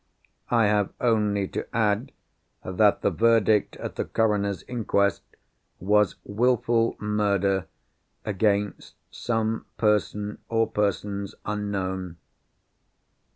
I have only to add, that the verdict at the Coroner's Inquest was Wilful Murder against some person, or persons, unknown.